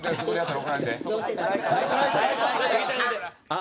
「あ」。